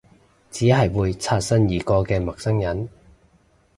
只係會擦身而過嘅陌生人？